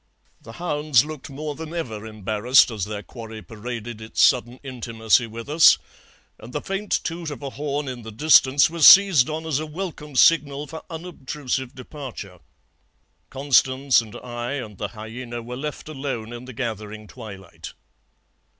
The hounds looked more than ever embarrassed as their quarry paraded its sudden intimacy with us, and the faint toot of a horn in the distance was seized on as a welcome signal for unobtrusive departure. Constance and I and the hyaena were left alone in the gathering twilight.